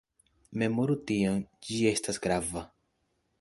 Memoru tion, ĝi estas grava.